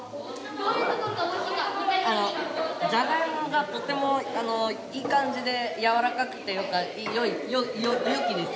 ジャガイモがとてもいい感じでやわらかくて良い良きです